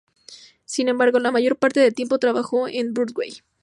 Sin embargo, la mayor parte del tiempo trabajó en Broadway.